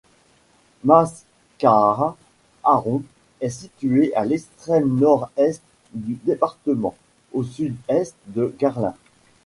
Mascaraàs-Haron est située à l'extrême nord-est du département, au sud-est de Garlin.